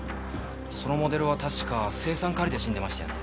そのモデルは確か青酸カリで死んでましたよね。